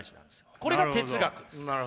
これが哲学です。